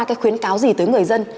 cái khuyến cáo gì tới người dân